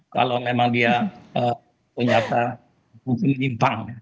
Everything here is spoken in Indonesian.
tapi itu adalah penyataan yang mungkin nyimpang